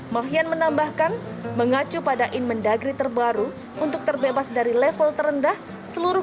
mahian menambahkan mengacu pada in mendagri terbaru untuk terbebas dari level terendah seluruh